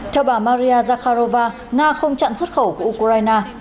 theo bà maria zakharova nga không chặn xuất khẩu của ukraine